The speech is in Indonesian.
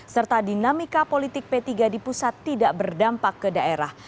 serta dinamika politik p tiga di pusat tidak berdampak ke daerah